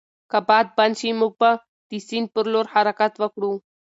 که باد بند شي، موږ به د سیند پر لور حرکت وکړو.